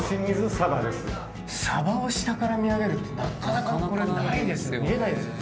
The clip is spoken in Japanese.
サバを下から見上げるってなかなかないですよね。